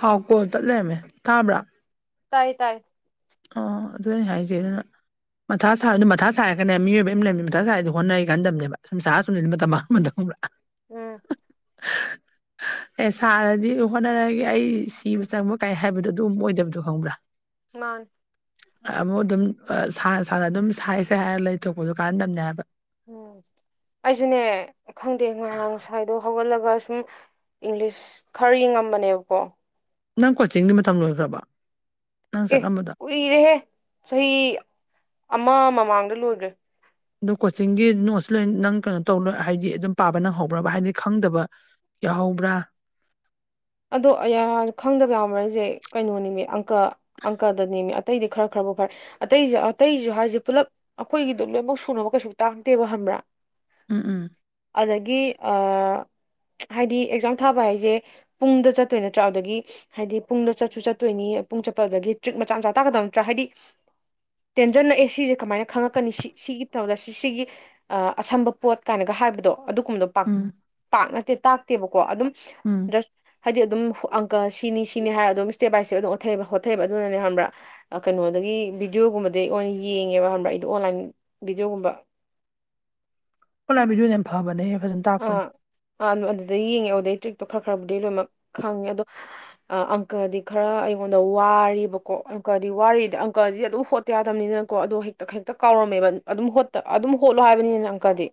ꯍꯥꯎꯀꯣ ꯇꯠ ꯂꯩꯔꯝꯃꯦ ꯊꯥꯕ꯭ꯔꯥ ꯇꯥꯏꯌꯦ ꯇꯥꯏꯌꯦ ꯑꯣ ꯑꯗꯨ ꯑꯩ ꯍꯥꯏꯖꯦ ꯑꯗꯨꯅ ꯃꯊꯥ ꯁꯥꯕ ꯑꯗꯨꯝ ꯃꯊꯥ ꯁꯥꯔꯒꯅꯦ ꯃꯤꯑꯣꯏꯕ ꯑꯃ ꯂꯩꯕꯅꯤ ꯃꯊꯥ ꯁꯥꯥꯏꯔꯤꯗꯤ ꯍꯣꯠꯅꯒꯦ ꯈꯟꯗꯝꯅꯦꯕ ꯁꯨꯝ ꯁꯥꯥ ꯁꯨꯝ ꯃꯇꯝ ꯃꯥꯡꯍꯟꯕꯗꯣ ꯈꯪꯕ꯭ꯔꯥ ꯎꯝ [unintelligible] ꯑꯦ ꯁꯥꯔꯗꯤ ꯍꯣꯠꯅꯔꯛꯑꯒꯦ ꯑꯩ ꯁꯤꯕ ꯆꯪꯕ ꯀꯥꯏ ꯍꯥꯏꯕꯗꯣ ꯑꯗꯨꯝ ꯑꯣꯏꯗꯕꯗꯣ ꯈꯪꯕ꯭ꯔꯥ ꯃꯥꯥꯟꯅꯦ ꯑꯃꯨꯛ ꯑꯗꯨꯝ ꯁꯥꯅ ꯁꯥꯟꯅ ꯑꯗꯨꯝ ꯁꯥꯏ ꯁꯥꯏ ꯍꯥꯏꯔꯒ ꯂꯩꯊꯣꯛꯄꯗꯨ ꯀꯥꯟꯅꯗꯕꯅꯦ ꯍꯥꯏꯕ ꯎꯝ ꯑꯩꯁꯨꯅꯦ ꯈꯪꯗꯦ ꯉꯔꯥꯡ ꯉꯁꯥꯏꯗꯣ ꯍꯧꯒꯠꯂꯒ ꯁꯨꯝ ꯏꯪꯂꯤꯁ ꯈꯔꯒꯤ ꯉꯝꯕꯅꯦꯕꯀꯣ ꯅꯪ ꯀꯣꯆꯤꯡꯗꯤ ꯃꯇꯝ ꯂꯣꯏꯈ꯭ꯔꯕ ꯅꯪ ꯑꯦ ꯆꯠꯂꯝꯕꯗꯣ ꯀꯨꯏꯔꯦꯍꯦ ꯆꯍꯤ ꯑꯃ ꯃꯃꯥꯡꯗ ꯂꯣꯏꯈ꯭ꯔꯦ ꯑꯗꯨ ꯀꯣꯆꯤꯡꯒꯤ ꯅꯣꯠꯁꯨ ꯂꯣꯏꯅ ꯅꯪ ꯀꯩꯅꯣ ꯇꯧ ꯍꯥꯏꯗꯤ ꯑꯗꯨꯝ ꯄꯥꯕ ꯅꯪꯍꯧꯕ꯭ꯔꯕꯥ ꯍꯥꯏꯗꯤ ꯈꯪꯗꯕ ꯌꯥꯎꯍꯧꯕ꯭ꯔꯥ ꯑꯗꯣ [unintelligible] ꯈꯪꯗꯕ ꯌꯥꯝꯃꯔꯤꯁꯦ ꯀꯩꯅꯣꯅꯤꯕ ꯑꯪꯀ ꯑꯪꯀꯗꯅꯦꯃꯦ ꯑꯇꯩꯗꯤ ꯈꯔ ꯈꯔꯐꯥꯎ ꯈꯔ ꯑꯇꯩꯁꯨ ꯑꯇꯩꯁꯨ ꯍꯥꯏꯁꯦ ꯄꯨꯂꯞ ꯑꯩꯈꯣꯏꯒꯤꯗꯣ ꯂꯣꯏꯅꯃꯛ ꯁꯨꯅꯕ ꯀꯩꯁꯨ ꯇꯥꯡꯗꯦꯕ ꯈꯪꯕ꯭ꯔꯥ ꯎꯝ ꯎꯝ ꯑꯗꯒꯤ ꯑ ꯍꯥꯏꯗꯤ ꯑꯦꯛꯖꯥꯝ ꯊꯥꯕ ꯍꯥꯏꯁꯦ ꯄꯨꯡꯗ ꯆꯠꯇꯣꯏ ꯅꯠꯇ꯭ꯔꯥꯗꯒꯤ ꯍꯥꯏꯗꯤ ꯄꯨꯡꯗ ꯆꯠꯁꯨ ꯆꯠꯇꯣꯏꯅꯤ ꯄꯨꯡ ꯆꯠꯄꯗꯗꯤ ꯇ꯭ꯔꯤꯛ ꯃꯆꯥ ꯃꯆꯥ ꯇꯥꯛꯀꯗꯕ ꯅꯠꯇ꯭ꯔꯥ ꯍꯥꯏꯗꯤ ꯇꯦꯟꯖꯜꯂꯛꯑꯦ ꯁꯤꯁꯦ ꯀꯃꯥꯏꯅ ꯈꯪꯉꯛꯀꯅꯤ ꯁꯤ ꯁꯤꯒꯤ ꯇꯧꯗ ꯁꯤ ꯁꯤꯒꯤ ꯑꯁꯝꯕ ꯄꯣꯠ ꯀꯥꯏꯅꯒ ꯍꯥꯏꯕꯗꯣ ꯑꯗꯨꯒꯨꯝꯕ ꯎꯝ ꯄꯥꯛ ꯅꯠꯇꯦ ꯇꯥꯛꯇꯦꯕꯀꯣ ꯑꯗꯨꯝ ꯎꯝ ꯖꯁ ꯍꯥꯏꯗꯤ ꯑꯗꯨꯝ ꯑꯪꯀꯜ ꯁꯤꯅꯤ ꯁꯤꯅꯤ ꯍꯥꯏꯔ ꯑꯗꯨꯝ ꯁ꯭ꯇꯦ ꯁꯇꯦ ꯑꯗꯨꯝ ꯑꯣꯠꯩꯕ ꯍꯣꯠꯑꯕ ꯑꯗꯨꯅꯅꯦ ꯈꯕ꯭ꯔꯥ ꯀꯩꯅꯣꯗꯒꯤ ꯚꯤꯗꯤꯑꯣꯒꯨꯝꯕꯗꯤ ꯑꯣ ꯑꯣꯏꯅ ꯌꯦꯡꯉꯦꯕ ꯍꯕ꯭ꯔꯥ ꯑꯩꯗꯣ ꯑꯣꯟꯂꯥꯏꯟ ꯚꯤꯗꯤꯑꯣꯒꯨꯝꯕ ꯑꯣꯂꯥꯕꯤꯗꯨ ꯌꯥꯝ ꯐꯕꯅꯦꯍꯦ ꯐꯖꯅ ꯇꯥꯛꯄꯅꯦ ꯑ ꯑꯗꯨꯗꯩ ꯌꯦꯡꯉꯦ ꯑꯗꯨꯗꯩ ꯇ꯭ꯔꯤꯛꯇꯣ ꯈꯔ ꯈꯔꯕꯨꯗꯤ ꯂꯣꯏꯅꯃꯛ ꯈꯪꯉꯦ ꯑꯗꯣ ꯑꯪꯀꯜꯗꯤ ꯈꯔ ꯑꯩꯉꯣꯟꯗ ꯋꯥꯔꯤꯕꯀꯣ ꯑꯪꯀꯗꯤ ꯋꯥ ꯔꯤꯗꯤ ꯑꯪꯀꯜꯗꯤ ꯑꯗꯨꯝ ꯍꯣꯠ ꯌꯥꯗꯕꯅꯤꯅꯀꯣ ꯑꯗꯣ ꯍꯦꯛꯇ ꯍꯦꯛꯇ ꯀꯥꯎꯔꯝꯃꯦꯕ ꯑꯗꯨꯝ ꯑꯗꯨꯝ ꯍꯣꯠꯂꯣ ꯍꯥꯏꯕꯅꯤꯅ ꯑꯪꯀꯗꯤ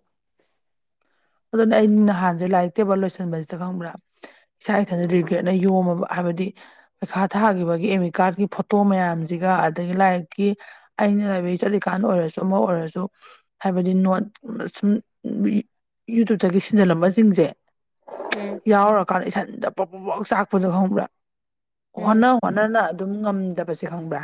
ꯑꯗꯨꯅ ꯑꯩꯩꯅ ꯅꯍꯥꯟꯁꯦ ꯂꯥꯏꯔꯤꯛ ꯇꯦꯕꯜ ꯂꯣꯏꯁꯟꯕꯁꯤꯗ ꯈꯪꯕ꯭ꯔꯥ ꯏꯁꯥ ꯏꯊꯟꯗ ꯔꯤꯒ꯭ꯔꯦꯠꯅ ꯌꯣꯝꯃꯕ ꯍꯥꯏꯕꯗꯤ ꯄꯩꯈꯥ ꯊꯥꯒꯤꯈꯤꯕꯒꯤ ꯑꯃꯤꯠ ꯀꯥꯔꯠꯀꯤ ꯐꯣꯇꯣ ꯃꯌꯥꯝꯁꯤꯒ ꯑꯗꯒꯤ ꯂꯥꯏꯔꯤꯛꯀꯤ ꯑꯩꯅ ꯂꯥꯏꯕ꯭ꯔꯦꯔꯤ ꯆꯠꯂꯤꯀꯥꯟꯗ ꯑꯣꯏꯔꯁꯨ ꯑꯃ ꯑꯣꯏꯔꯁꯨ ꯍꯥꯏꯕꯗꯤ ꯅꯣꯠ ꯁꯨꯝ- ꯌꯨꯇꯨꯕꯇꯒꯤ ꯁꯤꯟꯖꯜꯂꯝꯕ ꯁꯤꯡꯁꯦ- ꯑꯝ ꯌꯥꯎꯔꯀꯥꯟꯗ ꯏꯁꯥꯏꯊꯟꯗ ꯄ꯭ꯔꯣꯛ ꯄ꯭ꯔꯣꯛ ꯆꯥꯛꯄꯗ ꯈꯪꯕ꯭ꯔꯥ ꯎꯝ ꯍꯣꯠꯅꯧ ꯍꯣꯠꯟꯅ ꯑꯗꯨꯝ ꯉꯝꯗꯕꯁꯦ ꯈꯪꯕ꯭ꯔꯥ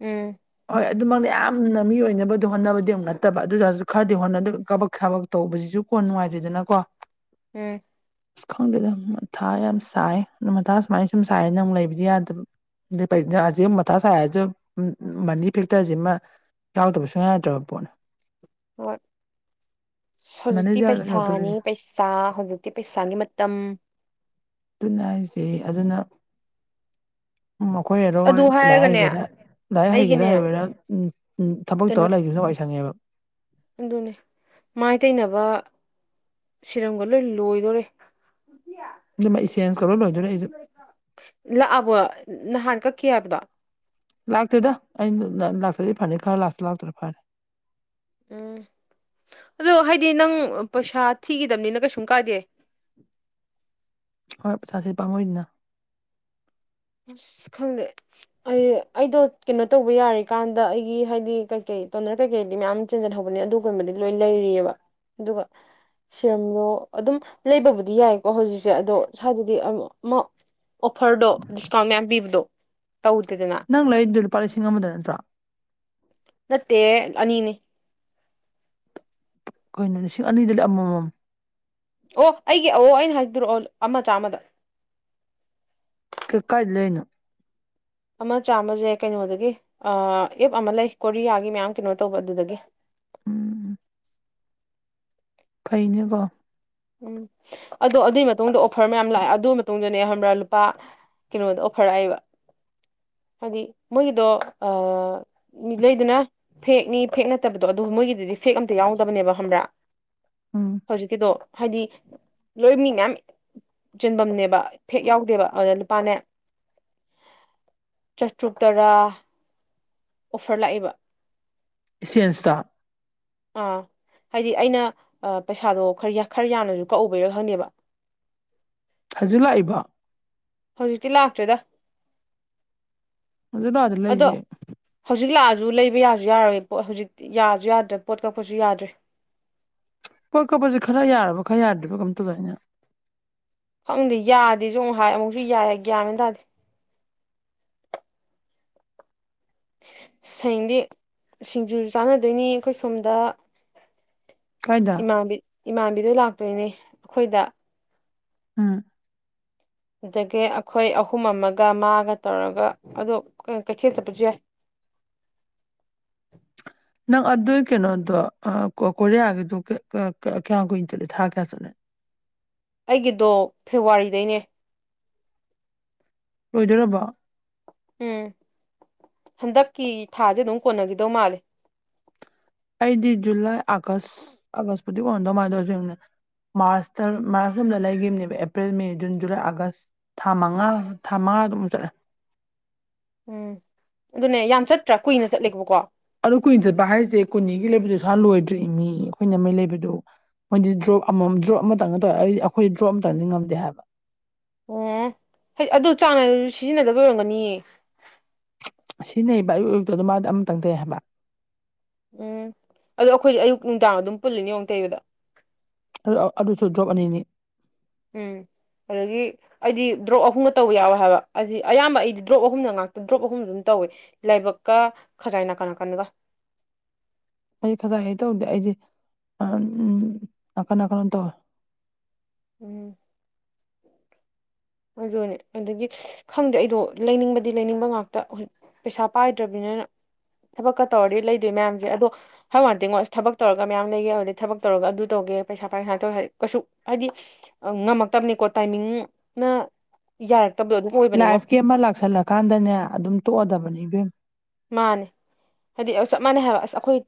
ꯎꯝ ꯍꯣꯏ ꯑꯗꯨꯃꯛꯅ ꯌꯥꯝꯅ ꯃꯤ ꯑꯣꯏꯅꯕꯗꯤ ꯍꯣꯠꯅꯕꯗꯤ ꯑꯃꯨꯛ ꯅꯠꯇꯕ ꯑꯗꯨ ꯇꯥꯔꯁꯨ ꯈꯔꯗꯤ ꯍꯣꯠꯅꯗ ꯀꯕꯛ ꯁꯥꯕꯛ ꯇꯧꯕꯁꯤꯁꯨ ꯀꯣꯟ ꯅꯨꯡꯉꯥꯏꯇꯦꯗꯅ ꯀꯣ ꯎꯝ ꯑꯁ ꯈꯪꯗꯦꯗ ꯃꯊꯥ ꯌꯥꯝ ꯁꯥꯏ ꯑꯗꯨ ꯃꯊꯥ ꯁꯨꯃꯥꯏꯅ ꯁꯨꯝ ꯁꯥꯏꯌꯦ ꯅ ꯑꯃꯨꯛ ꯂꯩꯕꯗꯤ ꯌꯥꯗꯕ ꯍꯧꯖꯤꯛ ꯃꯊꯥ ꯁꯥꯏꯁꯨꯦ ꯃꯅꯤ ꯐꯦꯛꯇꯔꯁꯤꯃ ꯌꯥꯎꯗꯕꯁꯨꯨꯡꯌꯥ ꯌꯥꯗ꯭ꯔꯕ ꯄꯣꯠꯅꯤ ꯍꯣꯏ ꯃꯅꯤꯁꯦ ꯍꯧꯖꯤꯛꯇꯤ ꯌꯥꯎꯗꯣꯔꯤꯅꯤ ꯄꯩꯁꯥꯅꯤ ꯄꯩꯁꯥ ꯆꯥ ꯍꯧꯖꯤꯛꯇꯤ ꯄꯩꯁꯥꯒꯤ ꯃꯇꯝ ꯑꯗꯨꯅ ꯍꯥꯏꯁꯦ ꯑꯗꯨꯅ ꯃꯈꯣꯏ ꯑꯁ ꯑꯔꯣꯏ ꯑꯗꯨ ꯂꯥꯏ ꯍꯥꯏꯔꯒꯅꯦ ꯍꯩꯒꯦꯗ ꯂꯥꯏꯔꯤꯛ ꯍꯩꯒꯦꯔꯥ ꯑꯩꯒꯤꯅꯦ ꯍꯩꯔꯣꯏꯔꯥ ꯎꯝ ꯊꯕꯛ ꯀꯩꯅꯣ ꯇꯧꯔꯒ ꯂꯩꯈꯤꯕꯗꯨꯅ ꯋꯥꯏ ꯁꯪꯉꯦꯕ ꯑꯗꯨꯅꯦ ꯃꯥꯏ ꯇꯩꯅꯕ ꯁꯤꯔꯝꯒ ꯂꯣꯏ ꯂꯣꯏꯗꯣꯔꯦ ꯑꯗꯨ [unintelligible] ꯂꯣꯏꯗꯧꯔꯦ ꯑꯩꯁꯨ ꯂꯥꯛꯑꯕꯣ ꯅꯍꯥꯟ ꯀꯛꯈꯤ ꯍꯥꯏꯕꯗꯣ ꯂꯥꯛꯇꯦꯗ ꯑꯩꯅ ꯂꯥꯛꯇ꯭ꯔꯗꯤ ꯐꯅꯤ ꯈꯟꯂ ꯂꯥꯛꯁꯨ ꯂꯥꯛꯇꯔꯦ ꯐꯔꯦ ꯎꯝ ꯑꯗꯣ ꯍꯥꯏꯗꯤ ꯅꯪ ꯄꯩꯁꯥ ꯊꯤꯈꯤꯗꯕꯅꯤꯅ ꯀꯩꯁꯨꯝ ꯀꯥꯏꯗꯦ ꯍꯣꯏ ꯄꯩꯁꯥꯁꯦ ꯄꯥꯃꯣꯏꯗꯅ ꯑꯁ ꯈꯪꯗꯦ ꯑꯩ ꯑꯩꯗꯣ ꯀꯩꯅꯣ ꯇꯧꯕ ꯌꯥꯔꯤꯀꯥꯟꯗ ꯑꯩꯒꯤ ꯍꯥꯏꯗꯤ ꯀꯩꯀꯩ ꯇꯣꯅꯔ ꯀꯩꯀꯩꯗꯤ ꯃꯌꯥꯝ ꯆꯦꯟꯖꯟꯍꯧꯕꯅꯤ ꯑꯗꯨꯒꯨꯝꯕꯗꯤ ꯂꯣꯏ ꯂꯩꯔꯤꯑꯕ ꯑꯗꯨꯒ ꯁꯤꯔꯝꯗꯣ ꯑꯗꯨꯝ ꯂꯩꯕꯕꯨꯗꯤ ꯌꯥꯏꯀꯣ ꯍꯧꯖꯤꯛꯁꯦ ꯑꯗꯣ ꯏ꯭ꯋꯥꯏꯗꯗꯤ ꯑꯃ ꯑꯣꯐꯔꯗꯣ ꯗꯤꯁꯀꯥꯎꯟ ꯃꯌꯥꯝ ꯄꯤꯕꯗꯣ ꯇꯧꯗꯦꯗꯅ ꯅꯪ ꯂꯩꯔꯤꯗ ꯂꯨꯄꯥ ꯂꯤꯁꯤꯡ ꯑꯃꯗ ꯅꯠꯇ꯭ꯔꯣ ꯅꯠꯇꯦ ꯑꯅꯤꯅꯦ ꯑꯩꯈꯣꯏꯅ ꯂꯤꯁꯤꯡ ꯑꯅꯤꯗꯨꯗꯤ ꯑꯃꯃꯝ ꯑꯣ ꯑꯩꯒꯤ ꯑ ꯑꯩꯅ ꯍꯥꯏꯕꯤꯔꯛꯑꯣ ꯑꯃ ꯆꯥꯝꯃꯗ ꯀꯩ ꯀꯥꯏꯗ ꯂꯩꯅꯣ ꯑꯃ ꯆꯥꯝꯃꯁꯦ ꯀꯩꯅꯣꯗꯒꯤ ꯑꯦꯞ ꯑꯃ ꯂꯩ ꯀꯣꯔꯤꯌꯥꯒꯤ ꯃꯌꯥꯝ ꯀꯩꯅꯣ ꯇꯧꯕ ꯑꯗꯨꯗꯒꯤ ꯎꯝ ꯐꯩꯅꯤꯀꯣ ꯎꯝ ꯑꯗꯣ ꯑꯗꯨꯒꯤ ꯃꯇꯨꯡꯗ ꯑꯣꯐꯔ ꯃꯌꯥꯝ ꯂꯥꯛꯑꯦ ꯑꯗꯨꯒꯤ ꯃꯇꯨꯡꯗꯅꯦ ꯈꯕ꯭ꯔꯥ ꯂꯨꯄꯥ ꯀꯩꯅꯣꯗ ꯑꯣꯐꯔ ꯂꯥꯛꯑꯦꯕ ꯍꯥꯏꯗꯤ ꯃꯣꯏꯒꯤꯗꯣ ꯑ [unintelligible] ꯐꯦꯛꯅꯤ ꯐꯦꯛ ꯅꯠꯇꯕꯗꯣ ꯑꯗꯨ ꯃꯣꯏꯒꯤꯗꯨꯗꯤ ꯐꯦꯛ ꯑꯝꯇ ꯌꯥꯎꯗꯕꯅꯦꯕ ꯈꯡꯕ꯭ꯔꯥ ꯎꯝ ꯍꯧꯖꯤꯛꯀꯤꯗꯣ ꯍꯥꯏꯗꯤ ꯂꯣꯏ ꯃꯤ ꯃꯌꯥꯝ ꯆꯤꯟꯐꯝꯅꯦꯕ ꯐꯦꯛ ꯌꯥꯎꯗꯦꯕ ꯑꯗꯨꯗ ꯂꯨꯄꯥꯅꯦ ꯆꯥꯇ꯭ꯔꯨꯛ ꯇꯔꯥ ꯑꯣꯐꯔ ꯂꯥꯛꯑꯦꯕ ꯏꯁꯦꯟ꯭ꯁꯇꯣ ꯑꯥ ꯍꯥꯏꯗꯤ ꯑꯩꯅ ꯄꯩꯁꯥꯗꯣ ꯈꯔ ꯈꯔ ꯌꯥꯝꯅꯁꯨ ꯀꯛꯎꯕꯩꯔꯁꯨ ꯈꯪꯗꯦꯕ ꯊꯥꯖꯤꯜꯂꯛꯏꯕ ꯍꯧꯖꯤꯛꯇꯤ ꯂꯥꯛꯇ꯭ꯔꯦꯗ ꯑꯗꯨ ꯂ ꯑꯗꯨ ꯑꯗꯣ ꯂꯩꯁꯦ ꯍꯧꯖꯤꯛ ꯂꯥꯛꯑꯁꯨ ꯂꯩꯕ ꯌꯥꯁꯨ ꯌꯥꯔꯔꯣꯏ ꯄꯣꯠ ꯍꯧꯖꯤꯛꯇꯤ ꯌꯥꯁꯨ ꯌꯥꯗ꯭ꯔꯦ ꯄꯣꯠ ꯀꯛꯄꯁꯨ ꯌꯥꯗ꯭ꯔꯦ ꯄꯣꯠ ꯀꯛꯄꯁꯦ ꯈꯔ ꯌꯥꯔꯕ ꯈꯔ ꯌꯥꯗꯔꯤꯕ ꯀꯝꯧꯗꯣ ꯑꯅ ꯈꯪꯗꯦ ꯌꯥꯗꯦꯁꯨ ꯑꯃꯨꯛ ꯍꯥꯏ ꯑꯃꯨꯛꯁꯨ ꯌꯥꯏ ꯒꯌꯥꯃꯤ ꯇꯥꯔꯗꯤ ꯁꯌꯦꯦꯡꯗꯤ ꯁꯤꯡꯖꯨ ꯆꯥꯟꯅꯗꯣꯏꯅꯤ ꯑꯩꯈꯣꯏ ꯁꯣꯝꯗ ꯀꯥꯏꯗ ꯏꯃꯥꯟꯕꯤꯗꯨ ꯂꯥꯛꯇꯣꯏꯅꯦ ꯑꯩꯈꯣꯏꯗ ꯎꯝ ꯑꯗꯒꯤ ꯑꯩꯈꯣꯏ ꯑꯍꯨꯝ ꯑꯃꯒ ꯃꯥꯒ ꯇꯧꯔꯒ ꯑꯗꯨꯗꯣ ꯀꯩꯊꯦꯜ ꯆꯠꯄꯁꯨ ꯌꯥꯏ ꯅꯪ ꯑꯗꯨꯒꯤ ꯀꯩꯅꯣꯗꯣ ꯀꯣꯔꯤꯌꯥꯒꯤꯗꯣ ꯀꯌꯥ ꯀꯨꯏꯅ ꯆꯠꯂꯤꯦ ꯊꯥ ꯀꯌꯥ ꯆꯠꯂꯅ ꯑꯩꯒꯤꯗꯣ ꯐꯦꯕꯋꯥꯔꯤꯗꯩꯅꯦ ꯂꯣꯏꯗꯣꯏꯔꯕꯣ ꯎꯝ ꯍꯟꯗꯛꯀꯤ ꯊꯥꯁꯦ ꯑꯗꯨꯝ ꯀꯣꯟꯅꯈꯤꯗꯧ ꯃꯥꯜꯂꯦ ꯑꯩꯗꯤ ꯖꯨꯂꯥꯏ ꯑꯥꯒꯁ ꯑꯥꯒꯁꯄꯨꯗꯤ ꯑꯣꯏꯝꯗꯧꯃꯥꯏꯅ ꯇꯧꯔꯁꯨ ꯌꯦꯡꯅꯦ ꯃꯥꯔꯁꯇ ꯃꯥꯔ ꯂꯂ April May June July August ꯊꯥ ꯃꯉꯥ ꯊꯥ ꯃꯉꯥ ꯑꯗꯨꯝ ꯆꯠꯂꯦ ꯎꯝ ꯑꯗꯨꯅꯦ ꯌꯥꯝ ꯆꯠꯇ꯭ꯔꯥ ꯀꯨꯏꯅ ꯆꯠꯂꯦꯕꯀꯣ ꯑꯗꯨ ꯀꯨꯏꯟ ꯆꯠꯄ ꯍꯥꯏꯁꯦ ꯀꯨꯟꯅꯤꯒꯤ ꯂꯩꯕꯗꯨ ꯁ ꯂꯣꯏꯗ꯭ꯔ ꯏ ꯃꯤ ꯑꯩꯈꯣꯏꯅ ꯃꯩ ꯂꯩꯕꯗꯨ ꯃꯣꯏꯗꯤ ꯗ꯭ꯔꯣꯞ ꯑꯃꯃꯝ ꯗ꯭ꯔꯣꯞ ꯑꯃꯇꯪꯅ ꯇꯧꯔꯦ ꯑꯩꯗꯤ ꯑꯩꯈꯣꯏꯗꯤ ꯗ꯭ꯔꯣꯞ ꯑꯃꯇꯪꯗꯤ ꯉꯝꯗꯦ ꯍꯥꯏꯕ ꯑꯣ ꯍꯥꯏ ꯑꯗꯨ ꯆꯥꯡ ꯅꯥ ꯁꯤꯖꯤꯟꯅꯗꯕ ꯑꯣꯏꯔꯝꯒꯅꯤꯌꯦ ꯁꯤꯅꯦꯩꯕ ꯑꯌꯨ ꯑꯌꯨꯛꯇꯨꯗ ꯃꯥꯗꯤ ꯑꯝꯇ ꯇꯪꯊꯩ ꯍꯥꯏꯕ ꯎꯝ ꯑꯗꯣ ꯑꯩꯈꯣꯏꯗꯤ ꯑꯌꯨꯛ ꯅꯨꯡꯗꯥꯡ ꯑꯗꯨꯝ ꯄꯨꯜꯂꯤꯅꯤ ꯌꯦꯡꯉꯛ ꯇꯩꯕꯗ ꯑꯗꯨꯁꯨ ꯗ꯭ꯔꯣꯞ ꯑꯅꯤꯅꯤ ꯎꯝ ꯑꯗꯨꯗꯒꯤ ꯑꯩꯗꯤ ꯗ꯭ꯔꯣꯞ ꯑꯍꯨꯝꯒ ꯇꯧꯕ ꯌꯥꯎꯋꯦ ꯍꯥꯏꯕ ꯍꯥꯏꯗꯤ ꯑꯌꯥꯝꯕ ꯑꯩꯗꯤ ꯗ꯭ꯔꯣꯞ ꯑꯍꯨꯝꯅ ꯉꯥꯛꯇ ꯗ꯭ꯔꯣꯞ ꯑꯍꯨꯝ ꯑꯗꯨꯝ ꯇꯧꯋꯦ ꯂꯥꯏꯕꯛꯀ ꯈꯖꯥꯏ ꯅꯥ ꯀꯅꯥ ꯅꯥꯀꯟꯒ ꯑꯩ ꯈꯖꯥꯏ ꯍ ꯇꯧꯗꯦ ꯑꯩꯗꯤ ꯎꯝ ꯅꯥꯀꯟ ꯅꯥꯀꯟ ꯇꯧꯋꯦ ꯎꯝ [unintelligible] ꯑꯗꯨꯅꯦ ꯑꯗꯒꯤ ꯈꯪꯗꯦ ꯑꯩꯗꯣ ꯂꯩꯅꯤꯡꯕꯗꯤ ꯂꯩꯅꯤꯡꯕ ꯉꯥꯛꯇ ꯄꯩꯁꯥ ꯄꯥꯏꯗ꯭ꯔꯕꯅꯤꯅ ꯊꯕꯛꯀ ꯇꯧꯔꯗꯤ ꯂꯩꯗꯣꯏ ꯃꯌꯥꯝꯁꯦ ꯑꯗꯣ ꯍꯥꯏ ꯉꯇꯦꯉꯣꯁ ꯊꯛ ꯇꯧꯔꯒ ꯃꯌꯥꯝ ꯂꯩꯌꯦꯦ ꯑꯗꯨꯗꯩ ꯊꯕꯛ ꯇꯧꯔ ꯑꯗꯨ ꯇꯧꯒꯦ ꯄꯩꯁꯥ ꯄꯥꯏꯁꯥ ꯇꯧꯔꯒꯗꯤ ꯀꯩꯁꯨ ꯍꯥꯏꯗꯤ ꯑ ꯉꯝꯃꯛꯇꯕꯅꯦꯀꯣ ꯇꯥꯏꯃꯤꯡꯅ ꯌꯥꯔꯛꯇꯕꯗꯣ ꯑꯗꯨ ꯂꯥꯏꯐꯀꯤ ꯑꯃ ꯂꯥꯛꯁꯜꯂꯀꯥꯟꯗꯅꯦ ꯑꯗꯨꯝ ꯇꯣꯛꯑꯗꯕꯅꯦ ꯏꯕꯦꯝ ꯃꯥꯅꯦ ꯍꯥꯏꯗꯤ ꯆꯞ ꯃꯥꯟꯅꯩ ꯍꯥꯏꯕ ꯑꯁ ꯑꯩꯈꯣꯏ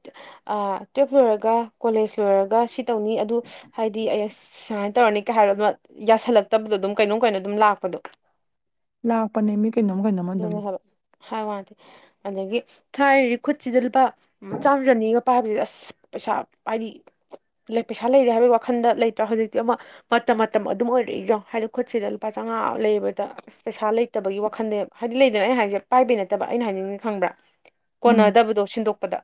ꯇꯨꯋꯜꯐ ꯂꯣꯏꯔꯒ ꯀꯣꯂꯦꯖ ꯂꯣꯏꯔꯒ ꯁꯤ ꯇꯧꯅꯤ ꯑꯗꯨ ꯍꯥꯏꯗꯤ ꯑꯩꯁ ꯁꯨꯃꯥꯏꯅ ꯇꯧꯔꯅꯤ ꯀꯩ ꯍꯥꯏꯕꯗꯨ ꯌꯥꯁꯜꯂꯛꯇꯕꯗꯣ ꯑꯗꯨꯝ ꯀꯩꯅꯣꯝ ꯀꯩꯅꯣ ꯑꯗꯨꯝ ꯂꯥꯛꯄꯗꯣ ꯂꯥꯛꯄꯅꯦ ꯃꯤ ꯀꯩꯅꯣꯝ ꯀꯩꯅꯣꯝꯃ ꯑꯗꯨꯝ ꯑꯗꯨꯅꯦ ꯍꯥꯏꯕ ꯍꯥꯏ ꯋꯥꯗꯤꯦ ꯑꯗꯒꯤ ꯊꯥꯏꯔꯤ ꯈꯨꯠꯁꯤꯗꯜꯄꯥ ꯆꯥꯝꯃ ꯆꯅꯤꯒ ꯄꯥꯏꯕꯕꯁꯤꯦ ꯑꯁ ꯄꯩꯁꯥ ꯍꯥꯏꯗꯤ ꯄꯩꯁꯥ ꯂꯩꯔꯦ ꯍꯥꯏꯕꯒꯤ ꯋꯥꯈꯟꯗ ꯂꯩꯇ꯭ꯔꯥ ꯍꯧꯖꯤꯛꯇꯤ ꯑꯃ ꯃꯇꯝ ꯃꯇꯝ ꯑꯗꯨꯝ ꯑꯣꯏꯔꯛꯏꯖꯣ ꯍꯥꯏꯗꯤ ꯈꯨꯠꯁꯤꯗ ꯂꯨꯄꯥ ꯆꯥꯝꯃꯉꯥ ꯂꯩꯕꯗ ꯑ ꯄꯩꯁꯥ ꯂꯩꯇꯕꯒꯤ ꯋꯥꯈꯟꯗꯦ ꯍꯥꯏꯗꯤ ꯂꯩꯗꯅ ꯑꯩꯅ ꯍꯥꯏꯁꯦ ꯄꯥꯏꯕꯩ ꯅꯠꯇꯕ ꯑꯩꯅ ꯍꯥꯏꯅꯤꯡꯉ ꯐꯪꯕ꯭ꯔꯥ ꯎꯝ ꯀꯣꯟꯅꯗꯕꯗꯣ ꯁꯤꯟꯗꯣꯛꯄꯗ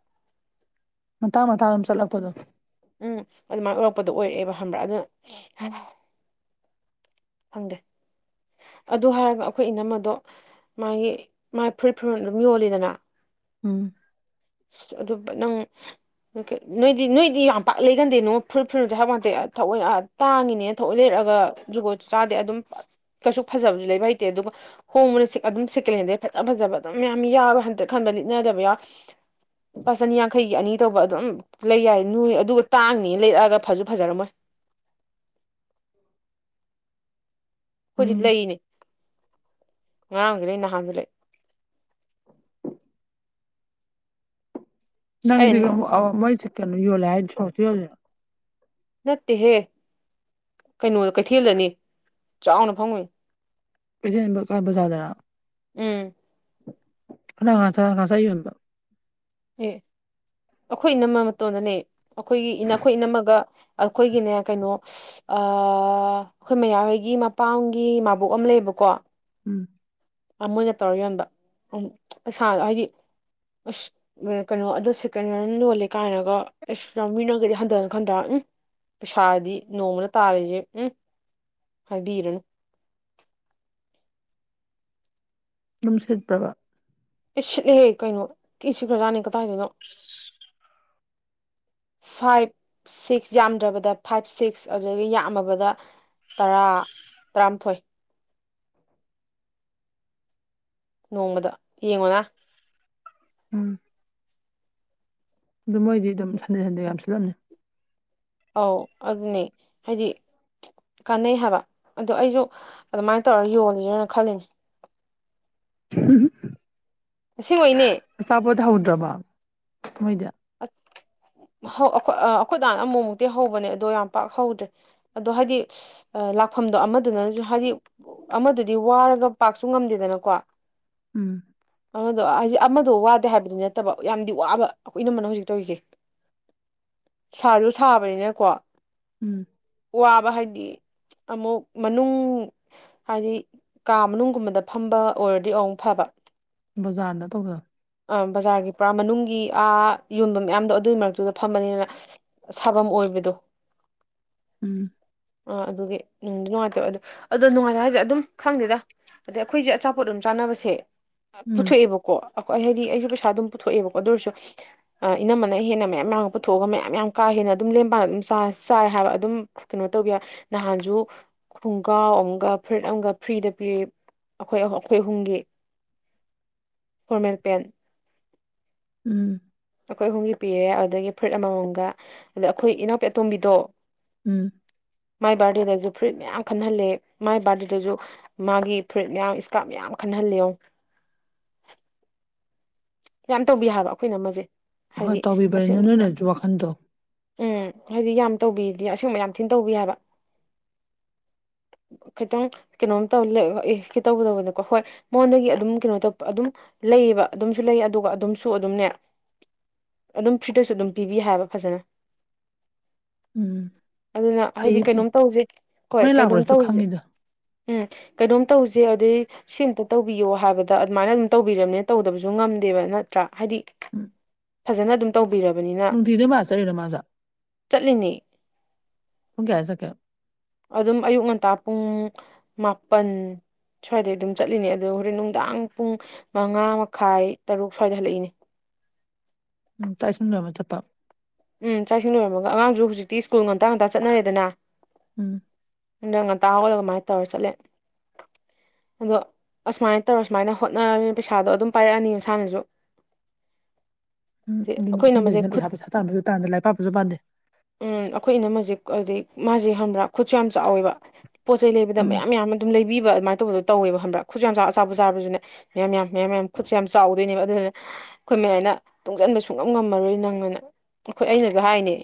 ꯃꯇꯥꯡ ꯃꯇꯊꯥꯡ ꯑꯃ ꯆꯠꯂꯛꯄꯗꯣ ꯎꯝ ꯑꯗꯨꯃꯥꯏꯅ ꯑꯣꯏꯔꯛꯄꯗꯣ ꯑꯣꯏꯔꯛꯑꯦꯕ ꯈꯪꯕ꯭ꯔꯥ ꯑꯗꯨꯅ ꯐꯪꯗꯦ ꯑꯗꯨ ꯍꯥꯏꯔꯒ ꯑꯩꯈꯣꯏ ꯏꯅꯝꯃꯗꯣ ꯃꯥꯒꯤ ꯃꯥꯥꯏ ꯐꯨꯔꯤꯠ ꯐꯨꯔꯃ ꯑꯗꯨꯝ ꯌꯣꯜꯂꯤꯗꯅ ꯎꯝ ꯑꯗꯨ ꯅꯪ ꯑꯣꯀꯦ ꯅꯣꯏꯗꯤ ꯅꯣꯏꯗꯤ ꯌꯥꯝ ꯄꯥꯛ ꯂꯩꯒꯟꯗꯦꯅꯣ ꯐꯨꯔꯤꯠ ꯐꯨꯔꯤꯜꯁꯦ ꯍꯥꯏꯕꯄ ꯉꯥꯟꯇꯦ ꯊꯑꯣꯏ ꯇꯥꯡꯉꯤꯅꯦꯅ ꯊꯣꯛꯑ ꯂꯩꯔꯛꯑꯒ ꯖꯨꯒꯣꯁꯨ ꯆꯥꯗꯦ ꯑꯗꯨꯝ ꯀꯩꯁꯨ ꯐꯖꯕꯁꯨ ꯂꯩꯕ ꯍꯩꯇꯦ ꯑꯗꯨꯒ ꯍꯣꯡꯕꯅ ꯑꯗꯨꯝ ꯁꯦꯀꯦꯟ ꯍꯦꯟꯗꯩ ꯐꯖ ꯐꯖꯕ ꯑꯗꯨꯝ ꯃꯌꯥꯝ ꯌꯥꯕ ꯍꯟ ꯈꯟꯕ ꯂꯤꯠꯅꯗꯕ ꯌꯥꯎꯏ ꯂꯨꯄꯥ ꯆꯅꯤꯌꯥꯡꯈꯩꯒꯤ ꯑꯅꯤ ꯇꯧꯕ ꯑꯗꯨꯝ ꯂꯩ ꯌꯥꯏ ꯅꯣꯏ ꯑꯗꯨꯒ ꯇꯥꯡꯅꯤꯅ ꯂꯩꯔꯛꯑꯒ ꯐꯁꯨ ꯐꯖꯔꯝꯃꯣꯏ [inaudible] ꯑꯩꯈꯣꯏꯗꯤꯛ ꯎꯝ ꯂꯩꯅꯦ ꯉꯔꯥꯡꯁꯤ ꯂꯩꯩ ꯅꯍꯥꯟꯁꯤ ꯂꯩꯩ ꯑꯦ ꯅꯪꯗꯤ ꯃꯩꯁꯤ ꯀꯩꯅꯣ ꯌꯣꯜꯂꯦ ꯍꯥꯏꯗꯤ ꯁꯣꯔꯇ ꯌꯣꯜꯂꯤꯣꯏꯣ ꯅꯠꯇꯦꯍꯦ ꯀꯩꯅꯣꯗ ꯀꯩꯊꯦꯜꯗꯅꯤ ꯆꯥꯎꯅ ꯐꯪꯉꯨꯏ ꯀꯩꯁꯦꯟꯕ ꯀꯥꯕꯖꯥꯗꯅ ꯎꯝ ꯀꯅꯥ ꯉ ꯉꯥ ꯌꯣꯟꯕ ꯑꯦ [inaudible] ꯑꯩꯈꯣꯏ ꯏꯅꯝꯃ ꯃꯇꯣꯟꯗꯅꯦ ꯑꯩꯈꯣꯏꯒꯤ ꯏꯈꯣꯏ ꯏꯅꯝꯃꯒ ꯑꯩꯈꯣꯏꯒꯤꯅꯦ ꯀꯩꯅꯣ ꯑꯩꯈꯣꯏ ꯃꯌꯥꯍꯣꯏꯒꯤ ꯃꯄꯥꯝꯒꯤ ꯃꯕꯣꯛ ꯑꯃ ꯂꯩꯌꯦꯕꯀꯣ ꯎꯝ ꯃꯣꯏꯅ ꯇꯧꯔ ꯌꯣꯟꯕ ꯎꯝ ꯄꯩꯁꯥ ꯍꯥꯏꯗꯤ ꯑꯁ ꯀꯩꯅꯣ ꯑꯗꯣ ꯁꯦꯀꯦꯟ ꯍꯦꯟ ꯂꯣꯜꯂꯦ ꯀꯥꯏꯅꯒ ꯑꯁ ꯅ ꯃꯤ ꯅꯪꯒꯗꯤ ꯍꯟꯊꯅ ꯈꯟꯊꯔꯛꯅꯤ ꯄꯁꯥꯗꯤ ꯅꯣꯡꯃꯅ ꯇꯥꯔꯦꯁꯦ ꯎꯝ ꯍꯥꯏꯕꯤꯔꯅ ꯅꯨꯡꯁꯤꯠꯄ꯭ꯔꯕ ꯑꯦ ꯁꯤꯠꯂꯦ ꯀꯩꯅꯣ ꯇꯤ ꯁꯤꯈ꯭ꯔꯖꯥꯠꯅꯤ ꯀꯗꯥꯏꯗꯅꯣ ꯐꯥꯏꯚ ꯁꯤꯛꯁ ꯌꯥꯝꯗ꯭ꯔꯕꯗ ꯐꯥꯏꯚ ꯁꯤꯛꯁ ꯑꯗꯨꯗꯒꯤ ꯌꯥꯝꯃꯕꯗ ꯇꯔꯥ ꯇꯔꯥꯃꯥꯊꯣꯏ ꯅꯣꯡꯃꯗ ꯌꯦꯡꯉꯣꯅ ꯎꯝ ꯑꯗꯨ ꯃꯣꯏꯗꯤ ꯑꯗꯨꯝ ꯁꯟꯗꯦ ꯁꯟꯗꯦ ꯌꯥꯝ ꯁꯤꯜꯂꯝꯅꯤ ꯑꯧ ꯑꯗꯨꯅꯦ ꯍꯥꯏꯗꯤ ꯀꯥꯟꯅꯩ ꯍꯥꯏꯕ ꯑꯗ ꯑꯩꯁꯨ ꯑꯗꯨꯃꯥꯏꯅ ꯇꯧꯔ ꯌꯣꯜꯂꯤꯁꯅ ꯈꯜꯂꯤꯅꯦ ꯑꯁꯦꯡꯕꯩꯅꯦ ꯆꯕ ꯊ ꯍꯨꯗ꯭ꯔꯕ ꯍꯣꯏꯗ ꯑꯩ ꯑꯩꯈꯣꯏꯗꯥꯅ ꯑꯃꯨꯛ ꯃꯨꯛꯇꯤ ꯍꯧꯕꯅꯦ ꯑꯗꯣ ꯌꯥꯝ ꯄꯥꯛ ꯍꯧꯗ꯭ꯔꯦ ꯑꯗꯣ ꯍꯥꯏꯗꯤ ꯂꯥꯛꯐꯝꯗꯣ ꯑꯃꯗꯨꯅꯅꯁꯨ ꯍꯥꯏꯗꯤ ꯑꯃꯗꯨꯗꯤ ꯋꯥꯔꯒ ꯄꯥꯛꯁꯨ ꯉꯝꯗꯦꯗꯅꯀꯣ ꯎꯝ ꯑꯃꯗꯣ ꯍꯥꯏꯁꯦ ꯑꯃꯗꯣ ꯋꯥꯗꯦ ꯍꯥꯏꯕꯗꯨ ꯅꯠꯇꯕ ꯌꯥꯝꯗꯤ ꯋꯥꯕ ꯑꯩꯈꯣꯏ ꯏꯅꯃꯅ ꯍꯧꯖꯤꯛ ꯇꯧꯔꯤꯁꯦ ꯁꯥꯁꯨꯨ ꯁꯥꯕꯅꯤꯅꯀꯣ ꯎꯝ ꯋꯥꯕ ꯍꯥꯏꯗꯤ ꯑꯃꯨꯛ ꯃꯅꯨꯡ ꯍꯥꯏꯗꯤ ꯀꯥ ꯃꯅꯨꯡꯒꯨꯝꯕꯗ ꯐꯝꯕ ꯑꯣꯏꯔꯗꯤ ꯑꯨꯛ ꯐꯕ ꯕꯖꯥꯔꯅ ꯇꯧꯖꯦ ꯕꯖꯥꯔꯒꯤ ꯄꯨꯔꯥ ꯃꯅꯨꯡꯒꯤ ꯑꯥ ꯌꯣꯟꯕ ꯃꯌꯥꯝꯗꯣ ꯑꯗꯨꯏ ꯃꯔꯛꯇꯨꯗ ꯐꯃꯕꯅꯤꯅ ꯁꯥꯐꯝꯝ ꯑꯣꯏꯕꯗꯣ ꯎꯝ ꯑ ꯑꯗꯨꯒꯤ ꯅꯨꯡꯗꯤ ꯅꯨꯡꯉꯥꯏꯇꯕ ꯑꯗꯨ ꯑꯗꯣ ꯅꯨꯡꯉꯥꯏꯇ ꯍꯥꯏꯁꯦ ꯑꯗꯨꯝ ꯈꯪꯗꯦꯗ ꯑꯗꯩ ꯑꯩꯈꯣꯏꯁꯦ ꯑꯆꯥꯄꯣꯠ ꯑꯗꯨꯝ ꯆꯥꯅꯕꯁꯦ ꯎꯝ ꯄꯨꯊꯣꯛꯑꯦꯕꯀꯣ ꯑꯈꯣꯏ ꯑꯩ ꯍꯥꯏꯗꯤ ꯑꯩꯁꯨ ꯄꯩꯁꯥ ꯑꯗꯨꯝ ꯄꯨꯊꯣꯛꯑꯦꯕꯀꯣ ꯑꯗꯨ ꯑꯣꯏꯔꯁꯨ ꯏꯅꯝꯝꯅ ꯍꯦꯟꯅ ꯃꯌꯥꯝ ꯌꯥꯝꯅ ꯄꯨꯊꯣꯛꯑꯒ ꯃꯌꯥꯝ ꯌꯥꯝ ꯀꯥ ꯍꯦꯟꯅ ꯑꯗꯨꯝ ꯂꯦꯝꯕꯥꯅ ꯑꯗꯨꯝ ꯆ ꯆꯥꯏ ꯍꯥꯏꯕ ꯑꯗꯨꯝ ꯀꯩꯅꯣ ꯇꯧꯒꯦ ꯅꯍꯥꯟꯁꯨ ꯈꯨꯡꯒꯥꯎ ꯑꯃꯒ ꯐꯨꯔꯤꯠ ꯑꯃꯒ ꯐ꯭ꯔꯤꯗ ꯄꯤꯔꯤ ꯑꯩꯈꯣꯏ ꯑꯩꯈꯣꯏ ꯑꯍꯨꯝꯒꯤ ꯐꯣꯔꯃꯦꯜ ꯄꯦꯟ ꯎꯝ ꯑꯩꯈꯣꯏ ꯑꯍꯨꯝꯒꯤ ꯄꯤꯔꯦ ꯑꯗꯨꯗꯒꯤ ꯐꯨꯠ ꯑꯃꯃꯝꯒ ꯑꯗ ꯑꯩꯈꯣꯏ ꯏꯅꯥꯎꯄꯤ ꯑꯇꯣꯝꯕꯤꯗꯣ ꯎꯝ ꯃꯥꯏ ꯕꯥꯔꯗꯦꯗꯁꯨ ꯐ꯭ꯔꯨꯏꯠ ꯃꯌꯥꯝ ꯈꯟꯍꯜꯂꯦ ꯃꯥꯏ ꯕꯥꯔꯗꯦꯗꯁꯨ ꯃꯥꯒꯤ ꯐꯨꯔꯤꯠ ꯃꯌꯥꯝ ꯏꯁꯀꯥꯞ ꯃꯌꯥꯝ ꯈꯟꯍꯜꯂꯤꯉꯣ ꯌꯥꯝ ꯇꯧꯕꯤ ꯍꯥꯏꯕ ꯑꯩꯈꯣꯏꯅ ꯑꯃꯁꯦ ꯍꯣꯏ ꯇꯧꯕꯤꯕꯔꯦ ꯅꯪ ꯅꯣꯏ ꯂꯩꯔꯁꯨ ꯋꯥꯈꯟꯗꯣ ꯎꯝ ꯍꯥꯏꯗꯤ ꯌꯥꯝ ꯇꯧꯕꯤꯗꯤ ꯑꯁꯦꯡꯕ ꯌꯥꯝ ꯊꯤꯅ ꯇꯧꯕꯤ ꯍꯥꯏꯕ [unintelligible] ꯈꯤꯇꯪ ꯀꯩꯅꯣꯝ ꯇꯧ ꯑꯦ ꯀ ꯇꯧꯒꯗꯧꯕꯅꯦꯀꯣ ꯍꯣꯏ ꯃꯉꯣꯟꯗꯒꯤ ꯑꯗꯨꯝ ꯀꯩꯅꯣ ꯇꯧꯕ ꯑꯗꯨꯝ ꯂꯩꯌꯦꯕ ꯑꯗꯨꯝꯁꯨ ꯂꯩ ꯑꯗꯨꯒ ꯑꯗꯨꯝꯁꯨ ꯑꯗꯨꯝꯅꯦ ꯑꯗꯨꯝ ꯐ꯭ꯔꯤꯗꯁꯨ ꯑꯗꯨꯝ ꯄꯤꯕꯤ ꯍꯥꯏꯑꯕ ꯐꯖꯅ ꯎꯝ ꯑꯗꯨꯅ ꯍꯥꯏꯗꯤ ꯐꯩꯌꯦ ꯐꯩ ꯀꯩꯅꯣꯝ ꯇꯧꯁꯤ ꯍꯣꯏ ꯑꯩꯈꯣꯏ ꯀꯩꯅꯣꯝ ꯂꯥꯛꯄꯗꯁꯨ ꯇꯧꯁꯤ ꯈꯪꯉꯤꯗ ꯎꯝ ꯀꯩꯅꯣꯝ ꯇꯧꯁꯦ ꯑꯗꯩ ꯁꯤ ꯑꯇ ꯇꯧꯕꯤꯌꯣ ꯍꯥꯏꯕꯗ ꯑꯗꯨꯃꯥꯏꯅ ꯑꯗꯨꯝ ꯇꯧꯕꯤꯔꯝꯅꯦ ꯇꯧꯗꯕꯁꯨ ꯉꯝꯗꯦꯕ ꯅꯠꯇ꯭ꯔꯥ ꯍꯥꯏꯗꯤ ꯎꯝ ꯐꯖꯅ ꯑꯗꯨꯝ ꯇꯧꯕꯤꯔꯕꯅꯤꯅ ꯅꯨꯡꯇꯤꯗ ꯃꯥ ꯆꯠꯂꯤꯔꯣ ꯃꯥꯁꯨ ꯆꯠꯂꯤꯅꯦ ꯄꯨꯡ ꯀꯌ ꯆꯠꯀꯦ ꯑꯗꯨꯝ ꯑꯌꯨꯛ ꯉꯟꯇꯥ ꯄꯨꯡ ꯃꯥꯄꯟ ꯁ꯭ꯋꯥꯏꯗꯩ ꯑꯗꯨꯝ ꯆꯠꯂꯤꯅꯦ ꯑꯗꯣ ꯍꯣꯔꯦꯟ ꯅꯨꯡꯗꯥꯡ ꯄꯨꯡ ꯃꯉꯥ ꯃꯈꯥꯏ ꯇꯔꯨꯛ ꯁ꯭ꯋꯥꯏꯗ ꯍꯜꯂꯛꯏꯅꯦ ꯎꯝ ꯇꯥꯏꯁꯨꯝꯗ ꯑꯃ ꯆꯠꯄ ꯎꯝ ꯆꯥꯛꯁꯤꯡ ꯂꯣꯏꯔꯝꯃꯒ ꯑꯉꯥꯡꯁꯨ ꯍꯧꯖꯤꯛꯇꯤ ꯁ꯭ꯀꯨꯜ ꯉꯟꯇ ꯉꯥꯛꯇꯥ ꯆꯠꯔꯦꯗꯅ ꯎꯝ ꯑꯗ ꯉꯟꯇꯥ ꯍꯧꯒꯠꯂꯒ ꯀꯃꯥꯏꯅ ꯇꯧꯔ ꯆꯠꯂꯦ ꯑꯗꯣ ꯑꯁꯨꯃꯥꯏꯅ ꯇꯧꯔ ꯁꯨꯃꯥꯏꯅ ꯍꯣꯠꯅꯔꯅꯤꯅ ꯄꯩꯁꯥꯗꯣ ꯑꯗꯨꯝ ꯄꯥꯏꯔꯛꯑꯅꯤ ꯃꯁꯥꯅꯁꯨ ꯎꯝ ꯑꯗꯩ ꯑꯩꯈꯣꯏꯅ ꯃꯁꯦ ꯌꯟꯗꯣꯏꯔꯤꯁꯤꯅ ꯈꯨꯠ ꯄꯩꯁꯥ ꯄꯩꯁꯥ ꯇꯥꯟꯕꯁꯨ ꯇꯥꯟꯗꯦ ꯂꯥꯏꯔꯤꯛ ꯄꯥꯛꯄꯁꯨ ꯄꯥꯟꯗꯦ ꯎꯝ ꯑꯩꯈꯣꯏ ꯏꯅ ꯃꯁꯤꯖꯤꯛ ꯍꯥꯏꯗꯤ ꯃꯥꯁꯤ ꯍꯪꯕ꯭ꯔꯥ ꯈꯨꯠꯁꯨ ꯌꯥꯝ ꯆꯥꯎꯋꯦꯕ ꯄꯣꯠ ꯆꯩ ꯂꯩꯕꯗ ꯎꯝ ꯃꯌꯥꯝ ꯌꯥꯝꯅ ꯑꯗꯨꯝ ꯂꯩꯕꯤꯕ ꯑꯗꯨꯃꯥꯏꯅ ꯇꯧꯕꯗ ꯇꯧꯋꯦꯕ ꯈꯕ꯭ꯔꯥ ꯈꯨꯠꯁꯨ ꯌꯥꯝ ꯑ ꯆꯆꯥꯕ ꯆꯥꯔꯁꯤꯅ ꯃꯌꯥꯝ ꯃꯌꯥꯝ ꯃꯌꯥꯝ ꯃꯌꯥꯝ ꯈꯨꯠꯁꯨꯦ ꯌꯥꯝ ꯆꯥꯎꯗꯣꯏꯅꯦꯕ ꯑꯗꯨꯗꯨꯅ ꯑꯩꯈꯣꯏ ꯃꯌꯥꯝꯅ ꯇꯨꯡꯁꯤꯟꯕ ꯁꯨꯡꯉꯝ ꯉꯝꯃꯔꯣꯏ ꯅꯪꯅ ꯑꯩꯈꯣꯏ ꯑꯩꯅꯁꯨ ꯍꯥꯏꯅꯤ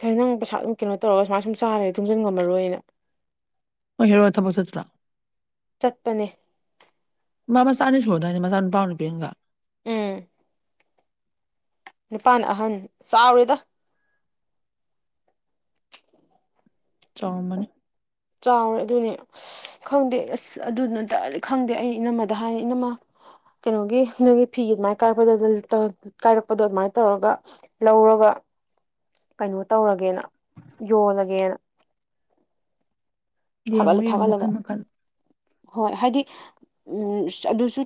ꯈꯔ ꯅꯪ ꯄꯁꯥ ꯑꯗꯨꯝ ꯀꯩꯅꯣ ꯇꯧꯔꯒ ꯁꯨꯃꯥꯏ ꯁꯨꯝ ꯆꯥꯔꯦꯨꯡꯟ ꯉꯝꯃꯔꯣꯏꯅ ꯍꯣꯏ ꯍꯦꯔꯣꯒ ꯊꯕꯛ ꯆꯠꯇ꯭ꯔꯣ ꯆꯠꯄꯅꯦ ꯃꯥ ꯃꯆꯥꯅꯤ ꯁꯨꯗꯅꯤ ꯃꯆꯥ ꯅꯨꯄꯥ ꯅꯨꯄꯤꯦꯟꯒ ꯎꯝ ꯅꯤꯄꯥꯥꯟ ꯑꯍꯟ ꯆꯥꯎꯔꯤꯦꯗ ꯆꯣꯡꯃꯟ ꯆꯥꯎꯔꯦ ꯑꯗꯨꯅꯦ ꯈꯪꯗꯦ ꯑꯁ ꯑꯗꯨꯗꯨꯅ ꯇꯗꯤ ꯈꯪꯗꯦ ꯑꯩ ꯏꯅꯝꯃꯗ ꯍꯥꯏꯅ ꯏꯅꯝꯃ ꯀꯩꯅꯣꯒꯤ ꯅꯣꯏꯒꯤ ꯐꯤ ꯑꯗꯨꯃꯥꯏꯅ ꯀꯥꯏꯔꯛꯄꯗ ꯀꯥꯏꯔꯛꯄꯗꯣ ꯑꯗꯨꯃꯥꯏꯅ ꯇꯧꯔꯒ ꯂꯧꯔꯒ ꯀꯩꯅꯣ ꯇꯧꯔꯒꯦꯅ ꯌꯣꯜꯂꯒꯦꯅ ꯌꯦꯡꯉꯣ ꯊꯥꯒꯠꯂ ꯌꯦꯡꯉꯣ ꯊꯥꯒꯠꯂꯒ ꯃꯈꯟ ꯃꯈꯟ ꯍꯣꯏ ꯍꯥꯏꯗꯤ ꯎꯝ ꯑꯗꯨꯁꯨ